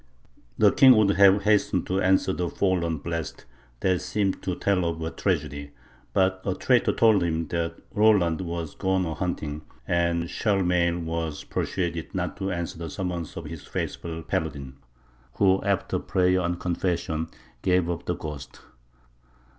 The king would have hastened to answer the forlorn blast, that seemed to tell of a tragedy; but a traitor told him that Roland was gone a hunting, and Charlemagne was persuaded not to answer the summons of his faithful paladin; who, after prayer and confession, gave up the ghost.